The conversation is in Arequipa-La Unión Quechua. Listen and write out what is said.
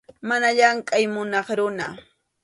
Mana llamkʼay munaq runa.